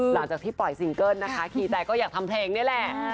หลังจากที่ปล่อยซิงเกิ้ลนะคะคีย์ใจก็อยากทำเพลงนี่แหละ